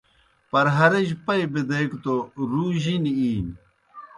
پرہارِجیْ پئی بِدیگہ توْ رُو جِنیْ اِینیْ۔